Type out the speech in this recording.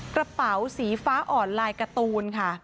กระเป๋าสีฟ้าอ่อนลายการ์ตูนค่ะ